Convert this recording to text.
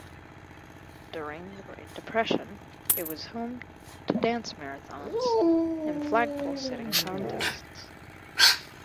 During the Great Depression, it was home to dance marathons and flagpole sitting contests.